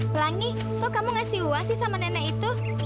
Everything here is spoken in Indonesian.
pelangi kok kamu ngasih uang sih sama nenek itu